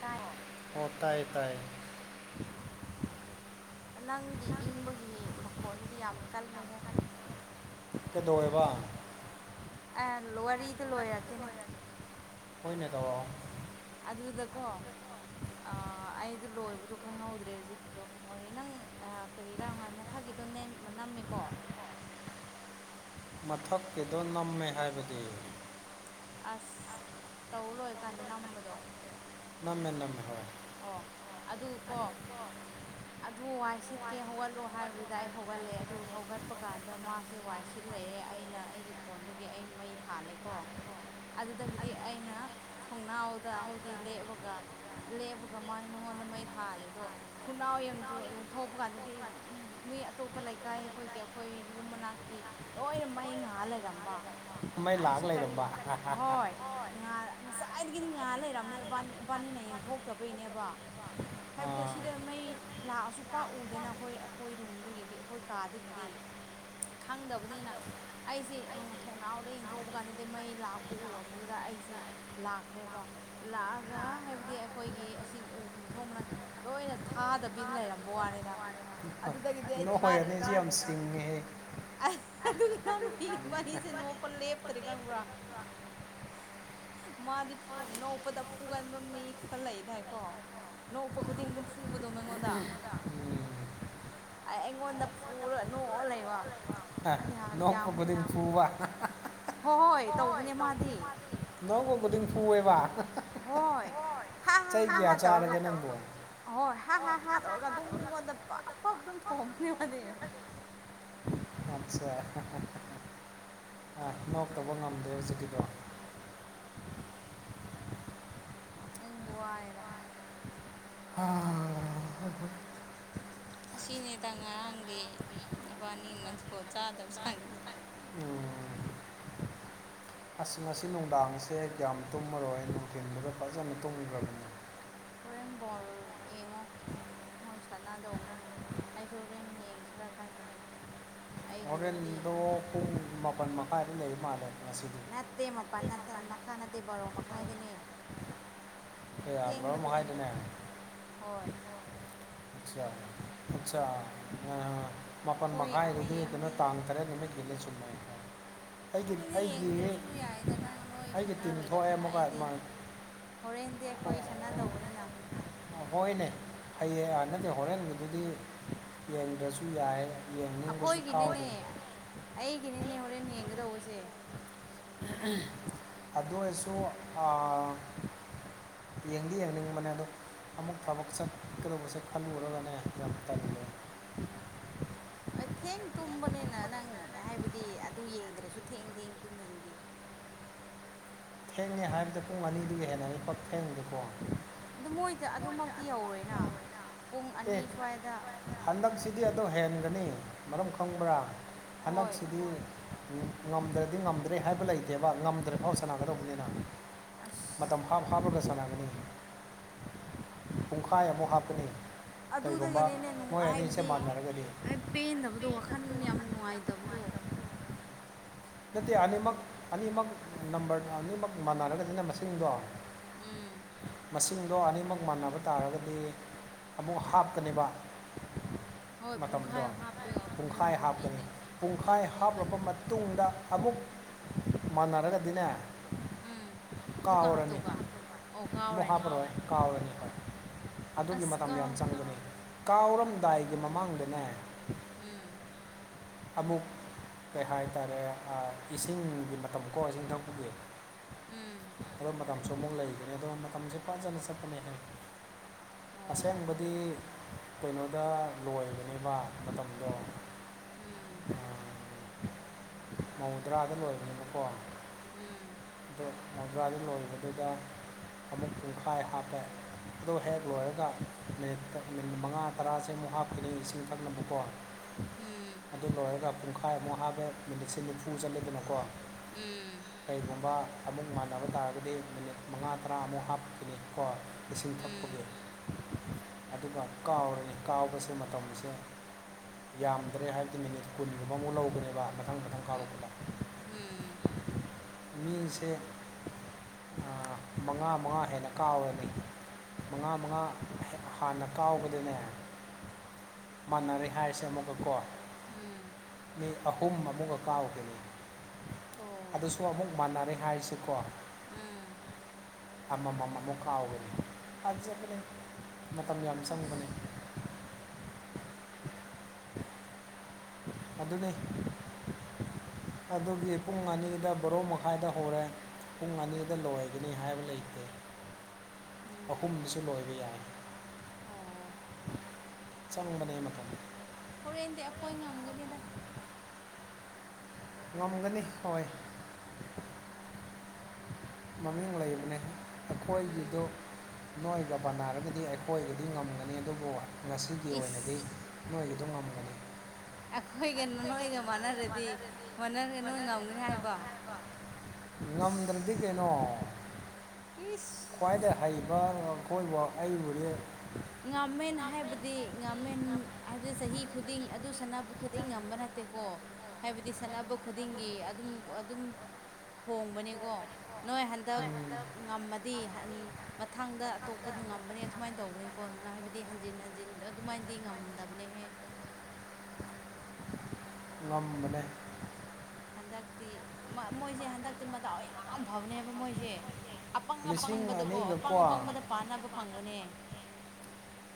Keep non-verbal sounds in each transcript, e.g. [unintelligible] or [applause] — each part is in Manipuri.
ꯇꯥꯏ ꯑꯣ ꯇꯥꯏꯌꯦ ꯆꯇꯥꯏ ꯅꯪꯒꯤ ꯏꯪꯕꯒꯤ ꯃꯈꯣꯟꯗꯨꯗꯤ ꯌꯥꯝ ꯀꯜꯂꯦꯍꯦ ꯀꯩꯗꯧꯋꯦꯕ ꯑꯥ ꯋꯥꯔꯤꯗ ꯂꯣꯏꯔꯛꯀꯦꯅꯦ UNINTELLIGIBLE ꯑꯗꯨꯗꯀꯣ ꯑꯥ ꯑꯩꯗꯨ ꯂꯣꯏꯕꯗꯣ ꯈꯪꯍꯧꯗ꯭ꯔꯦ ꯍꯧꯖꯤꯛꯑꯡꯡ ꯍꯣꯔꯦ ꯅꯪ ꯀꯔꯤꯔꯥꯥ ꯃꯊꯛꯀꯤꯗꯣ ꯅꯝꯃꯦꯀꯣ ꯃꯊꯛꯀꯤꯗꯣ ꯅꯝꯃꯦ ꯍꯥꯏꯕꯗꯤ ꯑꯥꯁ ꯇꯧ ꯂꯣꯏꯔꯀꯥꯟꯗ ꯅꯝꯕꯗꯣ ꯅꯝꯃꯦ ꯅꯝꯃꯦ ꯍꯣꯏ ꯑꯣ ꯑꯗꯨ ꯀꯣ ꯑꯗꯨ ꯋꯥꯏ ꯁꯤꯠꯀꯦ ꯍꯧꯒꯠꯂꯣ ꯍꯥꯏꯕꯗꯨꯗ ꯑꯩ ꯍꯧꯒꯠꯂꯦ ꯑꯗꯨ ꯍꯧꯒꯠꯄ ꯀꯥꯟꯗ ꯃꯥꯖꯦ ꯋꯥꯏ ꯁꯤꯠ ꯁꯤꯠꯂꯩꯌꯦ ꯑꯩꯅ ꯑꯩꯒꯤ ꯐꯣꯟꯗꯒꯤ ꯑꯩꯅ ꯃꯩ ꯊꯥꯜꯂꯦꯀꯣ ꯑꯗꯨꯗꯒꯤꯗꯤ ꯑꯩꯅ ꯊꯣꯡꯅꯥꯎꯗ ꯍꯥꯏꯕꯗꯤ ꯂꯦꯞꯑꯒ ꯂꯦꯞꯄꯒ ꯃꯥꯒꯤ ꯃꯉꯣꯟꯗ ꯃꯩ ꯊꯥꯜꯂꯤꯗꯣ ꯊꯣꯡꯅꯥꯎ ꯌꯦꯡꯊꯣꯛ ꯌꯦꯡꯊꯣꯛꯄ ꯀꯥꯟꯗꯗꯤ ꯏꯏ ꯃꯤ ꯑꯇꯣꯞꯄ ꯂꯩꯀꯥꯏ ꯑꯩꯈꯣꯏꯒꯤ ꯑꯩꯈꯣꯏ ꯌꯨꯝ ꯃꯅꯥꯛꯀꯤ ꯂꯣꯏꯅ ꯃꯩ ꯉꯥꯜ ꯂꯩꯔꯝꯕ ꯑꯩꯁꯦ ꯀꯔꯤ ꯍꯣꯏ ꯉꯥ ꯉꯁꯥꯏꯗꯒꯤ ꯉꯥꯜ ꯂꯩꯔꯝꯃꯦ ꯕꯥ ꯕꯥꯅꯤꯅ ꯌꯦꯡꯊꯣꯛꯇꯕꯩꯅꯦꯕ ꯍꯥꯏꯕꯗꯤ ꯁꯤꯗ ꯃꯩ ꯂꯥꯛꯑꯁꯨ ꯄꯥꯛ ꯎꯗ‌ꯦꯅ ꯑꯩꯈꯣꯏ ꯑꯩꯈꯣꯏ ꯔꯨꯝꯗꯒꯤꯗꯤ ꯑꯩꯈꯣꯏ ꯀꯥꯗꯒꯤꯗꯤ ꯈꯪꯗꯕꯅꯤꯅ ꯑꯩꯁꯦ ꯎꯝ ꯊꯣꯛꯅꯥꯎꯗꯩ ꯌꯦꯡꯊꯣꯛꯎꯕ ꯀꯥꯟꯗ ꯑꯗꯩ ꯃꯩ ꯂꯥꯛꯄ ꯎꯔꯝꯕꯗꯨꯗ ꯑꯩꯁꯦ ꯂꯥꯛꯈ꯭ꯔꯦꯕ ꯂꯥꯛꯑꯒ ꯍꯥꯏꯕꯗꯤ ꯑꯩꯈꯣꯏꯒꯤ ꯑꯁꯤ ꯎꯝ ꯊꯣꯡ ꯃꯅꯥꯛ ꯂꯣꯏꯅ ꯊꯥꯗꯕꯤ ꯂꯩꯔꯝꯕ ꯋꯥꯅꯤꯗ ꯑꯗꯨꯗꯒꯤꯗꯤ ꯑꯩ ꯊꯥꯔꯦꯅ ꯏꯅꯥꯎ ꯅꯨꯞ ꯑꯗꯨꯒꯤ ꯏꯅꯥꯎ ꯅꯨꯄꯤꯒꯤ ꯏꯕꯥꯏꯅꯤꯁꯦ ꯅꯣꯛꯄ ꯂꯦꯞꯇ꯭ꯔꯦ ꯈꯪꯕ꯭ꯔꯥ ꯃꯥꯗꯤ ꯐꯨ ꯅꯣꯛꯄꯗ ꯐꯨꯒꯟꯕ ꯃꯤ ꯈꯔ ꯂꯩꯗꯥꯏꯀꯣ ꯅꯣꯛꯄ ꯈꯨꯗꯤꯡ ꯑꯗꯨꯝ ꯐꯨꯕꯗꯣ ꯃꯤꯉꯣꯟꯗ [inaudible] ꯑꯩ ꯑꯩꯉꯣꯟꯗ ꯐꯨꯔ ꯅꯣꯛꯑ ꯂꯩꯕ ꯑꯩꯌꯥ ꯀꯌꯥꯃꯨꯛ ꯋꯥ ꯍꯣꯏ ꯍꯣꯏ ꯇꯧꯕꯅꯦ ꯃꯥꯗꯤ ꯅꯪꯒꯨꯝꯕꯗꯤ ꯑꯗꯨꯝ ꯐꯨꯌ‌ꯦꯕ ꯍ‌ꯣꯏ ꯆꯩ ꯀꯌꯥ ꯆꯥꯔꯒꯦ ꯅꯪꯕꯨ ꯍꯣꯏ ꯍꯥ ꯍꯥ ꯍꯥ ꯇꯧꯔꯒ ꯑꯗꯨꯝ ꯃꯤꯉꯣꯟꯗ ꯄꯞ ꯄꯞ ꯑꯗꯨꯝ ꯊꯣꯝꯕꯅꯦ ꯃꯥꯗꯤ ꯑꯠꯆꯥ ꯑ ꯅꯣꯛꯇꯧꯕ ꯉꯝꯗ꯭ꯔꯦ ꯍꯧꯖꯤꯛꯀꯤꯗ‌ꯣ ꯅ‌ꯣꯛꯅꯤꯡꯕ ꯋꯥꯅ‌ꯦꯗ ꯍꯥꯍ ꯍ ꯍ ꯑꯁꯤꯅꯦꯇ ꯉꯔꯥꯡꯒꯤ ꯏꯕꯥꯏꯅꯤꯅ ꯖꯨꯒ‌ꯣꯠ ꯆꯥꯗꯕ ꯆꯥꯡꯗ‌ꯣ ꯑꯁ ꯉꯁꯤ ꯅꯨꯡꯗꯥꯡꯁꯦ ꯀꯌꯥꯝ ꯇꯨꯝꯃꯔꯣꯏ ꯅꯨꯡꯊꯤꯟꯗꯨꯗ ꯐꯖꯅ ꯇꯨꯝꯈ꯭ꯔꯕꯅꯤ ꯍꯣꯔꯦꯟ ꯕꯣꯜ ꯌꯦꯡꯉꯣ ꯍꯣꯏ ꯁꯥꯟꯅꯗꯧꯕꯅꯤꯅ ꯑꯩꯁꯨ ꯍꯣꯔꯦꯟ ꯌꯦꯡꯁꯤꯔ ꯈꯪꯗ‌ꯔꯤ ꯍ‌ꯣꯔꯦꯟꯗꯣ ꯄꯨꯡ ꯃꯄꯟ ꯃꯈꯥꯏ ꯑꯗꯨꯗ ꯂꯩꯕ ꯃꯥꯜꯂ‌ꯦ ꯅꯠꯇꯦ ꯃꯄꯜ ꯅꯠꯇ ꯃꯈꯥꯏ ꯅꯠꯇꯦ ꯚꯥꯔꯣ ꯃꯈꯥꯏꯗꯅꯦ ꯑꯦ [unintelligible] ꯃꯈꯥꯏꯗꯅꯦ ꯑꯆꯥ ꯑꯆꯥ [unintelligible] ꯃꯥꯄꯜ ꯃꯈꯥꯏꯗꯨꯗꯤ ꯑꯗꯨꯅ ꯇꯥꯡ ꯇꯔꯦꯠ ꯅꯨꯃꯤꯠꯀꯤꯅꯤ ꯆꯨꯝꯃ‌ꯦ ꯅꯪꯗꯤ ꯌꯦꯡꯗ꯭ꯔꯥꯁꯨ ꯌꯥꯏꯗ ꯅꯪ ꯅꯣꯏ ꯁꯥꯟꯅꯔꯣꯏꯗꯕꯅꯤꯅ ꯑꯩꯗꯤ ꯍꯣꯔꯦꯟꯗꯤ ꯑꯩꯈ‌ꯣꯏ ꯁꯥꯟꯅꯗꯧꯕꯅꯤꯅ ꯍꯣꯏꯅꯦ ꯍꯩꯌꯦꯡ ꯅꯠꯇꯦ ꯍꯣꯔꯦꯟꯒꯤꯗꯨꯗꯤ ꯌꯦꯡꯗ꯭ꯔꯥꯁꯨ ꯌꯥꯏꯌ‌ꯦꯅ‌ꯦ ꯌꯦꯡꯅꯤꯡꯕꯁꯨ ꯐꯥꯎꯗꯦ ꯑꯩꯒꯤꯅꯤꯅꯦ ꯍꯣꯔꯦꯟ ꯌꯦꯡꯒꯗꯧꯕꯁꯦ ꯑꯗꯨ ꯑ‌ꯣꯏꯁꯨ ꯑꯥ ꯌꯦꯡꯗꯤ ꯌꯦꯡꯅꯤꯡꯕꯅꯦ ꯑꯗꯣ ꯑꯃꯨꯛ ꯊꯕꯛ ꯆꯠꯀꯗꯕꯁ‌ꯦ ꯈꯜꯂꯨꯔꯒꯅ‌ꯦ ꯌꯥꯝ ꯇꯜꯂ‌ꯦ ꯑ ꯊꯦꯡ ꯇꯨꯝꯕꯅꯤꯅ ꯅꯪ ꯍꯥꯏꯕꯗꯤ ꯑꯗꯨ ꯌꯦꯡꯗ꯭ꯔꯥꯁꯨ ꯊꯦꯡ ꯊꯦꯡ ꯇꯨꯝꯃꯤꯗꯨꯗꯤ ꯊꯦꯡꯉ‌ꯦ ꯍꯥꯏꯕꯗ ꯄꯨꯡ ꯑꯅꯤꯗꯒꯤ ꯍꯦꯟꯅ ꯃꯤꯄꯥꯛ ꯊꯦꯡꯗꯦꯀꯣ ꯑꯗꯨꯝ ꯃꯣꯏꯗ ꯑꯗꯨꯃꯛꯇꯤ ꯌꯧꯔꯣꯏꯅ ꯄꯨꯡ ꯑꯅꯤ ꯁ꯭ꯋꯥꯏꯗ ꯍꯟꯗꯛꯁꯤꯗꯤ ꯑꯗ‌ꯣ ꯍꯦꯟꯒꯅꯤ ꯃꯔꯝ ꯈꯪꯕ꯭ꯔꯥ ꯍꯟꯗꯛꯁꯤꯗꯤ ꯉꯝꯗ꯭ꯔꯥꯗꯤ ꯉꯝꯗ꯭ꯔꯦ ꯍꯥꯏꯕ ꯂꯩꯇꯦꯕ ꯉꯝꯗ꯭ꯔꯤꯐꯥꯎ ꯁꯥꯟꯅꯒꯗꯧꯕꯅꯤꯅ ꯑꯁ ꯃꯇꯝ ꯍꯥꯞ ꯍꯥꯞꯂꯒ ꯁꯥꯟꯅꯒꯅꯤ ꯄꯨꯡꯈꯥꯏ ꯑꯃꯨꯛ ꯍꯥꯞꯀꯅꯤ ꯑꯗꯨꯗꯒꯤꯅꯤꯅꯦ ꯅꯨꯡꯉꯥꯏ ꯍꯥꯏꯕꯗꯤ ꯍꯥꯏ ꯄꯦꯟꯗꯕꯗꯣ ꯋꯥꯈꯜ ꯌꯥꯝ ꯅꯨꯡꯉꯥꯏꯇꯕꯗꯣ ꯅꯠꯇꯦ ꯑꯅꯤꯃꯛ ꯑꯅꯤꯃꯛ ꯅꯝꯕꯔ ꯑꯅꯤꯃꯛ ꯃꯥꯟꯅꯔꯒꯗꯤꯅ ꯃꯁꯤꯡꯗꯣ ꯃꯁꯤꯡꯗꯣ ꯑꯅꯤꯃꯛ ꯃꯥꯟꯅꯕ ꯇꯥꯔꯒꯗꯤ ꯑꯃꯨꯛ ꯍꯥꯞꯀꯅꯦꯕ ꯃꯇꯝꯗꯣ ꯄꯨꯡꯈꯥꯏ ꯍꯥꯞꯀꯅꯤ ꯄꯨꯡꯈꯥꯏ ꯍꯥꯞꯂꯕ ꯃ ꯇꯨꯡꯗ ꯑꯃꯨꯛ ꯃꯥꯟꯅꯔꯒꯗꯤꯅꯦ ꯀꯥꯎꯔꯅꯤ ꯑꯃꯨꯛ ꯍꯥꯄꯔꯣꯏ ꯀꯥꯎꯔꯅꯦꯕ ꯑꯗꯨꯒꯤ ꯃꯇꯝ ꯌꯥꯝ ꯆꯪꯕꯅꯦ ꯀꯥꯎꯔꯝꯗꯥꯏꯒꯤ ꯃꯃꯥꯡꯗꯅꯦ ꯎꯝ ꯑꯃꯨꯛ ꯀꯩ ꯍꯥꯏꯇꯥꯔꯦ ꯑꯥ ꯏꯁꯤꯡꯒꯤ ꯃꯇꯝ ꯀꯣ ꯏꯁꯤꯡ ꯊꯛꯄꯒꯤ ꯑꯗꯣ ꯃꯇꯝꯁꯨ ꯑꯃꯨꯛ ꯂꯩꯒꯅꯤ ꯑꯗꯣ ꯃꯇꯝꯁꯦ ꯐꯖꯅ ꯆꯠꯄꯅꯦ ꯍꯥꯏ ꯑꯁꯦꯡꯕꯗꯤ ꯀꯩꯅꯣꯗ ꯂꯣꯏꯕꯅꯦꯕ ꯃꯇꯝꯗꯣ ꯎꯝ ꯎꯝ ꯃꯧꯗ꯭ꯔꯥꯗ ꯂꯣꯏꯕꯅꯦꯕꯀꯣ ꯎꯝ ꯃꯧꯗ꯭ꯔꯥꯗ ꯂꯣꯏꯕꯗꯨꯗ ꯑꯃꯨꯛ ꯄꯨꯡꯈꯥꯏ ꯍꯥꯞꯄꯦ ꯑꯗꯣ ꯍꯦꯛ ꯂꯣꯏꯔꯒ ꯃꯤꯅꯤꯠ ꯃꯤꯅꯤꯠ ꯃꯉꯥ ꯇꯔꯥꯁꯦ ꯑꯃꯨꯛ ꯍꯥꯞꯈꯤꯅꯤ ꯏꯁꯤꯡ ꯊꯛꯅꯕꯀꯣ ꯎꯝ ꯑꯗꯨ ꯂꯣꯏꯔꯒ ꯄꯨꯡꯈꯥꯏꯃꯨꯛ ꯍꯥꯞꯕ ꯃꯤꯅꯤꯠꯁꯦ ꯅꯤꯐꯨ ꯆꯠꯂꯦꯗꯅꯀꯣ ꯎꯝ ꯀꯩꯒꯨꯝꯕ ꯑꯃꯨꯛ ꯃꯥꯟꯅꯕ ꯇꯥꯔꯒꯗꯤ ꯃꯤꯅꯤꯠ ꯃꯉꯥ ꯇꯔꯥꯃꯨꯛ ꯍꯥꯞꯈꯤꯅꯤ ꯀꯣ ꯏꯁꯤꯡ ꯊꯛꯄꯒꯤ ꯑꯗꯨꯒ ꯑꯃꯨꯛ ꯀꯥꯎꯔꯅꯤ ꯀꯥꯎꯕꯁꯦ ꯃꯇꯝꯁꯦ ꯌꯥꯝꯗ꯭ꯔꯦ ꯍꯥꯏꯕꯗꯤ ꯃꯤꯅꯤꯠ ꯀꯨꯟꯒꯨꯝꯕꯃꯨꯛ ꯂꯧꯒꯅꯦꯕ ꯃꯊꯪ ꯃꯊꯪ ꯀꯥꯎꯔꯛꯄꯗ ꯃꯤꯁꯦ ꯑꯥ ꯃꯉꯥ ꯃꯉꯥ ꯍꯦꯟꯅ ꯀꯥꯎꯔꯅꯤ ꯃꯉꯥ ꯃꯉꯥ ꯍꯦ ꯍꯥꯟꯅ ꯀꯥꯎꯕꯗꯅꯦ ꯃꯥꯟꯅꯔꯦ ꯍꯥꯏꯔꯁꯦ ꯑꯃꯨꯛꯀ ꯀꯣ ꯎꯝ ꯃꯤ ꯑꯍꯨꯝ ꯑꯃꯨꯛꯀ ꯀꯥꯎꯈꯤꯅꯤ ꯑꯗꯨꯁꯨ ꯑꯃꯨꯛ ꯃꯥꯟꯅꯔꯦ ꯍꯥꯏꯔꯁꯤꯀꯣ ꯎꯝ ꯑꯃꯃꯝ ꯑꯃꯨꯛ ꯀꯥꯎꯒꯅꯤ ꯐꯖꯕꯅꯦ ꯃꯇꯝ ꯌꯥꯝ ꯆꯪꯕꯅꯦ ꯑꯗꯨꯅꯦ ꯑꯗꯨꯒꯤ ꯄꯨꯡ ꯑꯅꯤꯗ ꯕꯣꯔꯣ ꯃꯈꯥꯏꯗ ꯍꯧꯔꯦ ꯄꯨꯡ ꯑꯅꯤꯗ ꯂꯣꯏꯒꯅꯤ ꯍꯥꯏꯕ ꯂꯩꯇꯦ [inaudible] ꯑꯍꯨꯝꯗꯁꯨ ꯂꯣꯏꯕ ꯌꯥꯏ ꯆꯪꯕꯅꯦ ꯃꯇꯝ ꯍꯣꯔꯦꯟꯗꯤ ꯑꯈꯣꯏ ꯉꯝꯒꯅꯤꯗ ꯉꯝꯒꯅꯤ ꯍꯣꯏ ꯃꯃꯤꯡ ꯂꯩꯕꯅꯦ ꯑꯈꯣꯏꯒꯤꯗꯣ ꯅꯣꯏꯒ ꯄꯥꯟꯅꯔꯒꯗꯤ ꯑꯩꯈꯣꯏꯕꯨꯗꯤ ꯉꯝꯒꯅꯤ ꯑꯗꯨꯕꯨ ꯉꯁꯤꯒꯤ ꯑꯣꯏꯅꯗꯤ ꯅꯣꯏꯒꯤ ꯗꯨ ꯉꯝꯒꯅꯤ ꯑꯩꯈꯣꯏꯒ ꯅꯣꯏꯒ ꯃꯥꯟꯅꯔꯗꯤ ꯃꯥꯟꯅꯔ ꯅꯣꯏ ꯉꯝꯒꯅꯤ ꯍꯥꯏꯕ ꯉꯝꯗ꯭ꯔꯗꯤ ꯀꯩꯅꯣ ꯏꯁ ꯈ꯭ꯋꯥꯏꯗꯩ ꯍꯩꯕ ꯃꯈꯣꯏꯕꯨ ꯑꯩꯕꯨꯗꯤ ꯉꯝꯃꯦꯟ ꯍꯥꯏꯕꯗꯤ ꯉꯝꯃꯦꯟ ꯍꯥꯏꯕꯗꯤ ꯆꯍꯤ ꯈꯨꯗꯤꯡ ꯑꯗꯨ ꯁꯥꯟꯅꯕ ꯈꯨꯗꯤꯡ ꯉꯝꯕ ꯅꯠꯇꯦꯀꯣ ꯍꯥꯏꯕꯗꯤ ꯁꯥꯟꯅꯕ ꯈꯨꯗꯤꯡꯒꯤ ꯑꯗꯨꯝ ꯑꯗꯨꯝ ꯊꯣꯡꯕꯅꯤꯀꯣ ꯅꯣꯏ ꯍꯟ ꯗꯛ ꯉꯝꯃꯗꯤ ꯍꯟ ꯃꯊꯪꯗ ꯑꯇꯣꯞꯄꯗꯨ ꯉꯝꯕꯅꯤ ꯑꯗꯨꯃꯥꯏꯅ ꯇꯧꯕꯅꯦ ꯀꯣꯟꯅ ꯍꯥꯏꯕꯗꯤ ꯍꯟꯖꯤꯟ ꯍꯟꯖꯤꯟ ꯑꯗꯨꯃꯥꯏꯅꯗꯤ ꯉꯝꯗꯕꯅꯦꯍꯦ ꯉꯝꯕꯅꯦ ꯍꯟꯗꯛꯇꯤ ꯃꯥ ꯃꯣꯏꯁꯦ ꯍꯟꯗꯛꯇꯤ ꯃꯗꯥꯎ ꯌꯥꯝ ꯐꯕꯅꯦꯕ ꯃꯣꯏꯁꯦ ꯑꯄꯪ ꯑꯄꯪꯕꯗꯀꯣ ꯑꯄꯪ ꯑꯄꯪꯕꯗ ꯄꯥꯟꯅꯕ ꯐꯪꯕꯅꯦ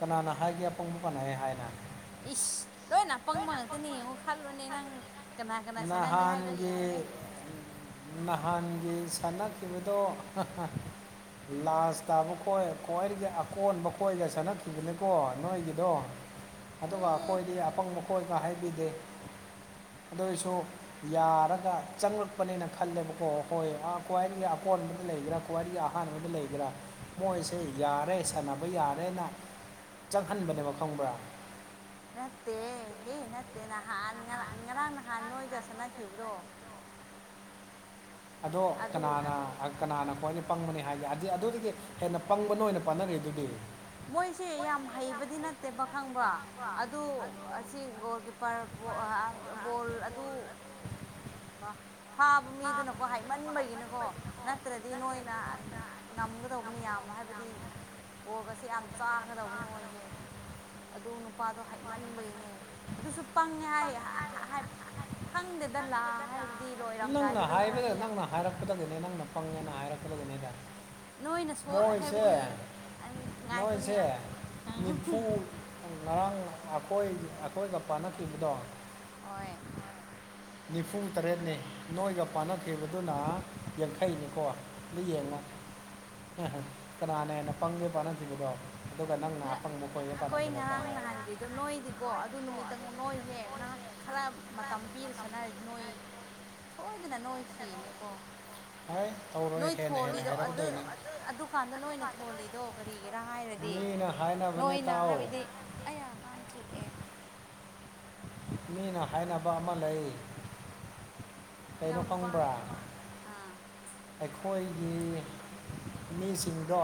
ꯀꯅꯥꯅ ꯍꯥꯏꯒꯦ ꯑꯄꯪꯕ ꯄꯥꯟꯅꯩ ꯍꯥꯏꯅ ꯏꯁ ꯂꯣꯏꯅꯄꯪꯕ ꯉꯥꯛꯇꯅꯦ ꯌꯦꯡꯉꯣ ꯈꯜꯂꯨꯅꯦ ꯅꯪ ꯅꯍꯥꯟꯒꯤ ꯅꯍꯥꯟꯒꯤ ꯁꯥꯟꯅꯈꯤꯕꯗꯣ ꯍꯥ ꯍꯥ ꯂꯥꯟꯁ ꯇꯥꯕ ꯈꯣꯏ ꯈ꯭ꯋꯥꯏꯗꯒꯤ ꯑꯀꯣꯟꯕ ꯈꯣꯏꯒ ꯁꯥꯟꯅꯈꯤꯕꯅꯤꯀꯣ ꯅꯣꯏꯒꯤꯗꯣ ꯑꯗꯨꯒ ꯑꯩꯈꯣꯏꯗꯤ ꯑꯄꯪꯕꯈꯣꯏꯒ ꯍꯥꯏꯕꯤꯗꯦ ꯑꯗꯨꯏꯁꯨ ꯌꯥꯔꯒ ꯆꯪꯂꯛꯄꯅꯦꯅ ꯈꯜꯂꯦꯕꯀꯣ ꯍꯣꯏ ꯈ꯭ꯋꯥꯏꯗꯒꯤ ꯑꯀꯣꯟꯕꯗ ꯂꯩꯒꯔ ꯋꯥꯔꯤ ꯑꯍꯥꯟꯕꯗ ꯂꯩꯕ꯭ꯔꯥ ꯃꯣꯏꯁꯦ ꯌꯥꯔꯦ ꯁꯥꯟꯅꯕ ꯌꯥꯔꯦꯅ ꯆꯪꯍꯟꯕꯅꯦꯕ ꯈꯪꯕ꯭ꯔꯥ ꯅꯠꯇꯦꯍꯦ ꯍꯦ ꯅꯠꯇꯦ ꯅꯍꯥꯟ ꯉꯔꯥꯡ ꯉꯔꯥꯡ ꯅꯍꯥꯟ ꯅꯣꯏꯒ ꯁꯥꯟꯅꯈꯤꯕꯗꯣ ꯑꯗꯣ ꯀꯅꯥꯅ ꯀꯅꯥꯅ ꯈ꯭ꯋꯥꯏꯗꯩ ꯄꯪꯕꯅꯤ ꯍꯥꯏꯒꯦ ꯑꯗꯨ ꯑꯗꯨꯗꯒꯤ ꯍꯦꯟꯅ ꯄꯪꯕꯅ ꯑꯣꯏꯅ ꯀꯥꯟꯅꯔꯤꯗꯨꯗꯤ ꯃꯣꯏꯁꯦ ꯌꯥꯝ ꯍꯩꯕꯗꯤ ꯅꯠꯇꯦꯕ ꯈꯪꯕ꯭ꯔꯥ ꯑꯗꯨ ꯑꯁꯤ ꯒꯣꯜ ꯀꯤꯞꯄꯔꯕꯨ ꯑꯥ ꯑꯥ ꯕꯣꯜ ꯑꯗꯨ ꯐꯥꯕ ꯃꯤꯗꯨꯅꯀꯣ ꯍꯥꯏ ꯃꯟꯕꯒꯤꯅꯀꯣ ꯅꯠꯇ꯭ꯔꯗꯤ ꯅꯣꯏꯅ ꯉꯝꯒꯗꯧꯕꯅꯦ ꯌꯥꯝꯅ ꯍꯥꯏꯕꯗꯤ ꯕꯣꯜꯒꯁꯦ ꯌꯥꯝ ꯆꯥꯒꯗꯧꯕꯅꯦ ꯃꯣꯏꯁꯦ ꯑꯗꯨ ꯅꯨꯄꯥꯗꯣ ꯍꯥꯏꯃꯟꯕꯩꯅꯦ ꯑꯗꯨꯁꯨ ꯄꯪꯉꯦ ꯍꯥꯏ ꯈꯪꯗꯦꯗ ꯂ ꯍꯥꯏꯕ ꯅꯪꯅ ꯍꯥꯏꯕꯗ ꯅꯪꯅ ꯍꯥꯏꯔꯛꯄꯗꯒꯤꯅꯦ ꯅꯪꯅ ꯄꯪꯉꯦꯅ ꯍꯥꯏꯔꯛꯄꯗꯒꯤꯅꯦꯗ ꯅꯣꯏꯁꯦ ꯅꯣꯏꯁꯦ ꯅꯤꯝꯐꯨ ꯉꯔꯥꯡ ꯑꯩꯈꯣꯏ ꯑꯩꯈꯣꯏꯒ ꯄꯥꯟꯅꯈꯤꯕꯗꯣ ꯍꯣꯏ ꯅꯤꯐꯨ ꯇꯔꯦꯠꯅꯦ ꯅꯣꯏꯒ ꯄꯥꯟꯅꯈꯤꯕꯗꯨꯅ ꯌꯥꯡꯈꯩꯅꯤꯀꯣ ꯑꯗꯨ ꯑ ꯀꯅꯥꯅ ꯍꯦꯟꯅ ꯄꯪꯒꯦ ꯄꯥꯅꯈꯤꯕꯗꯣ ꯑꯗꯨꯒ ꯅꯪꯅ ꯑꯄꯪꯕ ꯀꯣꯏꯒꯦ ꯄꯥꯅꯍꯟꯁꯤ ꯂꯧ ꯍꯥꯏ ꯗꯣ ꯅꯣꯏꯗꯤ ꯀꯣ ꯑꯗꯨ ꯅꯨꯃꯤꯠꯇ ꯅꯣꯏꯁꯦ ꯉꯥꯏꯍꯥꯛ ꯈꯔ ꯃꯇꯝ ꯄꯤꯔ ꯁꯅꯔꯗꯤ ꯅꯣꯏ ꯁꯣꯏꯗꯅ ꯅꯣꯏ ꯁꯤꯅꯤꯀꯣ ꯍꯥꯏ ꯅꯣꯏ ꯊꯣꯜꯂꯤꯗꯣ ꯑꯗꯨ ꯑꯗꯨꯀꯥꯟꯗ ꯅꯣꯏꯅ ꯊꯣꯜꯂꯤꯗꯣ ꯀꯔꯤꯒꯤꯔꯥ ꯍꯥꯏꯔꯒꯦ ꯍꯥꯏꯗꯤ ꯅꯣꯏꯅ ꯍꯥꯏꯕꯗꯤ ꯑꯌꯥꯀꯥꯡꯆꯤꯛꯑꯦ ꯃꯤꯅ ꯍꯥꯏꯅꯕ ꯑꯃ ꯂꯩ ꯏꯅꯥꯎꯅꯨꯄꯥ ꯑꯥ ꯑꯩꯈꯣꯏꯒꯤ ꯃꯤꯁꯤꯡꯗꯣ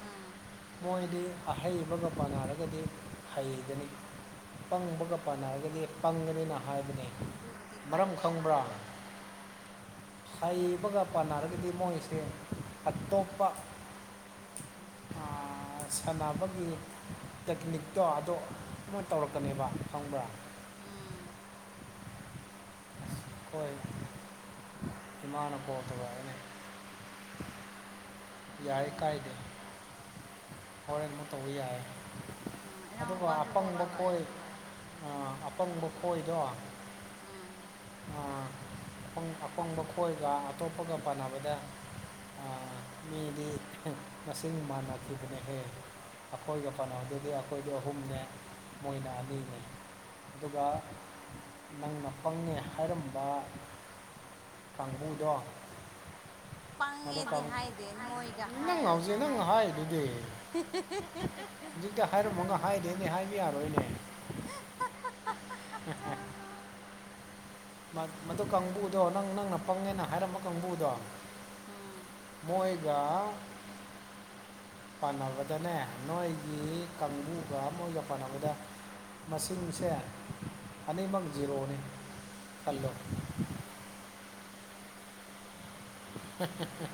ꯎꯝ ꯃꯣꯏꯗꯤ ꯑꯍꯩꯕꯒ ꯄꯥꯟꯅꯔꯒꯗꯤ ꯍꯩꯒꯅꯤ ꯄꯪꯕꯒ ꯄꯥꯟꯅꯕꯗꯤ ꯄꯪꯒꯅꯤꯅ ꯍꯥꯏꯕꯅꯦ ꯃꯔꯝ ꯈꯪꯕ꯭ꯔꯥ ꯍꯩꯕꯒ ꯄꯥꯟꯅꯔꯒꯗꯤ ꯃꯣꯏꯁꯦ ꯑꯇꯣꯞꯄ [inaudible] ꯁꯥꯟꯅꯕꯒꯤ ꯇꯦꯛꯅꯤꯛꯇꯣ ꯑꯗꯣ ꯑꯃ ꯇꯧꯔꯛꯀꯅꯤꯕ ꯈꯪꯕ꯭ꯔꯥ ꯑꯝ ꯍꯣꯏ ꯏꯃꯥꯅ ꯒꯣꯜ ꯇꯧꯔꯛꯑꯦꯅꯦ ꯌꯥꯔꯦ ꯀꯥꯏꯗꯦ ꯍꯣꯔꯦꯟ ꯑꯃꯨꯛ ꯇꯧꯕ ꯌꯥꯢ ꯑꯗꯨꯒ ꯑꯄꯪꯕ ꯈꯣꯏ ꯑꯥ ꯑꯄꯪꯕ ꯈꯣꯏꯗꯣ ꯑꯄꯪꯕ ꯈꯣꯏꯒ ꯑꯇꯣꯞꯄꯒ ꯄꯥꯟꯅꯕꯗ [inaudible] ꯍꯦ ꯃꯥꯁꯤꯡ ꯃꯥꯟꯅ ꯊꯤꯕꯅꯤꯍꯦ ꯑꯩꯈꯣꯏꯒ ꯄꯥꯅꯕꯗꯗꯤ ꯑꯩꯈꯣꯏꯗꯤ ꯑꯍꯨꯝꯅꯦ ꯃꯣꯏꯅ ꯑꯅꯤꯅꯦ ꯑꯗꯨꯒ ꯅꯪꯅ ꯄꯪꯉꯦ ꯍꯥꯏꯔꯝꯕ ꯀꯥꯡꯕꯨꯗꯣ ꯄꯪꯉꯦꯗꯤ ꯍꯥꯏꯗꯦ ꯅꯣꯏ ꯍꯥꯏꯔꯗꯤ ꯍꯥꯏꯕꯅꯤꯗ ꯑꯗꯨꯗꯤ ꯍꯥꯏꯕ ꯌꯥꯔꯣꯏꯅꯦ ꯎꯝ ꯃꯗꯨ ꯀꯥꯡꯕꯨꯗꯣ ꯅꯪ ꯅꯪꯅ ꯄꯪꯉꯦꯅ ꯍꯥꯏꯔꯝꯕ ꯀꯥꯡꯕꯨꯗꯣ ꯃꯣꯏ ꯒ ꯄꯥꯟꯅꯕꯗꯅꯦ ꯅꯣꯏꯒꯤ ꯀꯥꯡꯕꯨꯒ ꯃꯣꯏꯒ ꯄꯥꯟꯅꯕꯗ ꯃꯁꯤꯡꯁꯦ ꯑꯅꯤꯃꯛ ꯖꯤꯔꯣꯅꯤ ꯈꯜꯂꯣ [inaudible] ꯎ ꯎ ꯎ [unintelligible]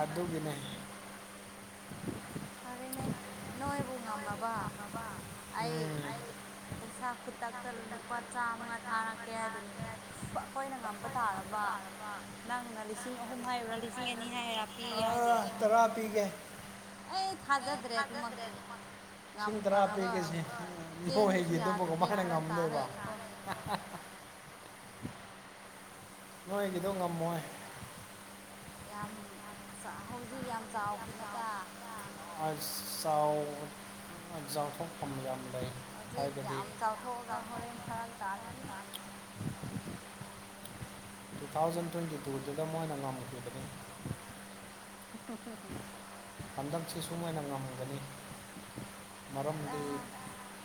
ꯑꯗꯨꯒꯤꯅꯦ ꯐꯔꯦꯅꯦ ꯅꯣꯏꯕꯨ ꯉꯝꯃꯕ ꯑꯩ ꯄꯩꯁꯥ ꯈꯨꯗꯛꯇ ꯂꯨꯄꯥ ꯆꯥꯃꯉꯥ ꯊꯥꯔꯛꯀꯦ ꯍꯥꯏꯗꯨꯅꯤ ꯑꯩꯈꯣꯏꯅ ꯉꯝꯕ ꯇꯥꯔꯕꯥ ꯅꯪꯅ ꯂꯤꯁꯤꯡ ꯑꯍꯨꯝ ꯍꯥꯏꯕ꯭ꯔꯥ ꯂꯤꯁꯤꯡ ꯑꯅꯤ ꯍꯥꯏꯔꯥ ꯄꯤꯒꯦ ꯍꯥꯏꯗꯣ ꯇꯔꯥ ꯄꯤꯒꯦ ꯑꯩ ꯊꯥꯖꯗ꯭ꯔꯦ ꯑꯗꯨꯃꯛꯇꯤ ꯂꯤꯁꯤꯡ ꯇꯔꯥ ꯄꯤꯒꯦꯁꯦ ꯅꯣꯢꯒꯤ ꯑꯗꯨꯃꯥꯢꯅꯒ ꯉꯝꯗꯣꯏꯕ ꯅꯣꯏꯒꯤꯗꯣ ꯉꯝꯃꯣꯏ ꯌꯥꯝ ꯑꯠꯆꯥ ꯍꯧꯖꯤꯛ ꯌꯥꯝ ꯆꯥꯎꯈꯤꯅꯨꯗ ꯑꯁ ꯆꯥꯎ ꯆꯥꯎꯊꯣꯛꯄ ꯃꯤ ꯌꯥꯝ ꯂꯩ ꯍꯥꯏꯕꯗꯤ ꯇꯨ ꯊꯥꯎꯖꯟ ꯇ꯭ꯋꯦꯟꯇꯤ ꯇꯨꯗꯨꯗ ꯃꯣꯏꯅ ꯉꯝꯈꯤꯕꯅꯦ ꯍ ꯍ [unintelligible] ꯍꯟꯗꯥꯛꯁꯨ ꯁꯣꯢꯗꯅ ꯉꯝꯒꯅꯤ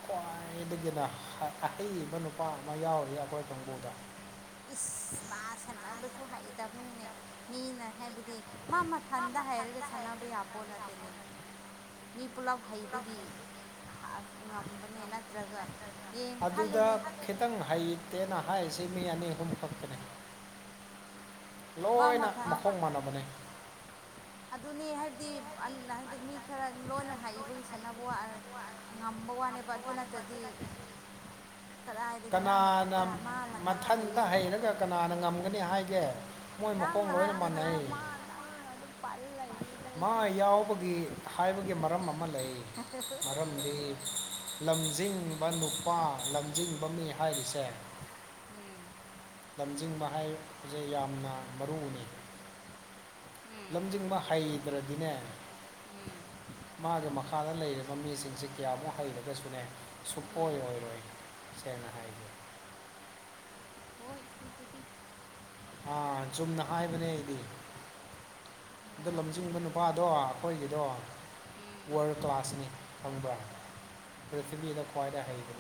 ꯈ꯭ꯋꯥꯏꯗꯒꯤꯅ ꯑꯍꯩꯕ ꯅꯨꯄꯥ ꯑꯃ ꯌꯥꯎꯔꯤ ꯑꯩꯈꯣꯏ ꯀꯥꯡꯕꯨꯗ ꯏꯁ ꯃꯥ ꯁꯥꯟꯅꯕꯁꯨ ꯍꯥꯏꯇꯕꯅꯤꯅꯦ ꯃꯤꯅ ꯍꯥꯏꯕꯗꯤ ꯃꯥ ꯃꯊꯟꯗ ꯍꯩꯔꯒ ꯁꯥꯟꯅꯕ ꯌꯥꯄꯣꯠ ꯅꯠꯇꯦꯅꯦ ꯃꯤ ꯄꯨꯂꯞ ꯍꯩꯕꯒꯤ ꯑꯁ ꯉꯝꯕꯅꯦ ꯅꯠꯇ꯭ꯔꯒ ꯌꯦꯡ ꯈꯛ ꯑꯗꯨꯗ ꯈꯤꯇꯪ ꯍꯩꯇꯦꯅ ꯍꯥꯏꯔꯤꯁꯤ ꯃꯤ ꯑꯅꯤ ꯑꯍꯨꯝ ꯈꯛꯇꯅꯤ ꯂꯣꯏꯅ ꯃꯈꯣꯡ ꯃꯥꯟꯅꯕꯅꯤ ꯑꯗꯨꯅꯤ ꯍꯥꯏꯕꯗꯤ ꯑꯟ [unintelligible] ꯗꯨ ꯃꯤ ꯈꯔ ꯂꯣꯏꯅꯧ ꯍꯥꯏꯕꯒꯤ ꯁꯥꯟꯅꯕ ꯋꯥ ꯑ ꯉꯝꯕ ꯋꯥꯅꯦꯕ ꯑꯗꯨ ꯅꯠꯇꯗꯤ ꯀꯗꯥꯏꯗꯒꯤ ꯃꯥ ꯃꯊꯟꯗ ꯃꯥ ꯃꯊꯟꯇ ꯍꯩꯌ‌ꯦꯅ ꯃꯊꯟ ꯅꯪꯅ ꯍꯥꯏꯕꯗꯨꯗꯤ ꯅꯃ ꯅꯪꯅ ꯑꯗꯨ ꯄꯜ ꯂꯩ ꯃꯥ ꯌꯥꯎꯕꯒꯤ ꯍꯥꯏꯕꯒꯤ ꯃꯔꯝ ꯑꯃ ꯂꯩ ꯃꯔꯝꯗꯤ ꯂꯝꯖꯤꯡꯕ ꯅꯨꯄꯥ ꯂꯝꯖꯤꯡꯕ ꯃꯤ ꯍꯥꯏꯔꯤꯁꯦ ꯎꯝ ꯂꯝꯖꯤꯡꯕ ꯍꯥꯏ ꯖ‌ꯦ ꯌꯥꯝꯅ ꯃꯔꯨꯅꯤ ꯂꯝꯖꯤꯡꯕ ꯍꯩꯇ꯭ꯔꯗꯤꯅꯦ ꯎꯝ ꯃꯥꯒꯤ ꯃꯈꯥꯗ ꯂꯩꯔꯤꯕ ꯃꯤꯁꯤꯡꯁꯤ ꯀꯌꯥꯃꯨꯛ ꯍꯩꯔꯒꯁꯨꯅꯦ ꯁꯨꯛꯑꯣꯏ ꯑꯣꯏꯔꯣꯏ ꯁꯦꯡꯅ ꯍꯥꯏꯒꯦ ꯍꯣꯏ ꯗꯨꯕꯨꯗꯤ ꯍꯥ ꯆꯨꯝꯅ ꯍꯥꯏꯕꯅꯦ ꯑꯩꯗꯤ ꯑꯗ ꯂꯝꯖꯤꯡꯕ ꯅꯨ ꯄꯥꯗꯣ ꯑꯩꯈꯣꯏꯒꯤꯗꯣ ꯋꯥꯔꯜ ꯀ꯭ꯂꯥꯁꯅꯤ ꯈꯪꯕ꯭ꯔꯥ ꯄ꯭ꯔꯤꯊꯤꯕꯤꯗ ꯈ꯭ꯋꯥꯏꯗ ꯍꯩꯕꯟ